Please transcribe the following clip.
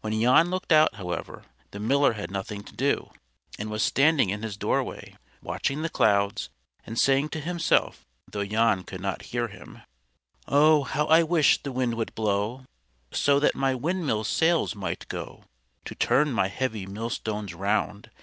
When Jan looked out, however, the Miller had nothing to do, and was standing in his doorway, watching the clouds, and saying to himself (though Jan could not hear him): "_Oh! how I wish the wind would blow So that my windmill's sails might go, To turn my heavy millstones round!